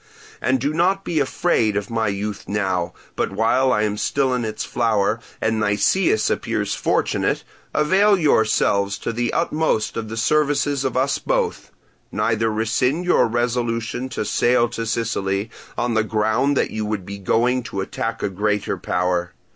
And do not be afraid of my youth now, but while I am still in its flower, and Nicias appears fortunate, avail yourselves to the utmost of the services of us both. Neither rescind your resolution to sail to Sicily, on the ground that you would be going to attack a great power.